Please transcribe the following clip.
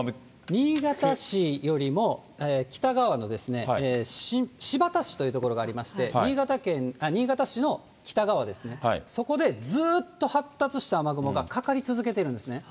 新潟市よりも北側の新発田市という所がありまして、新潟市の北側ですね、そこでずっと発達した雨雲がかかり続けているんですね。